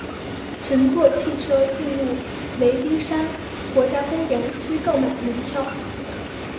乘坐汽车进入雷丁山国家公园需购买门票。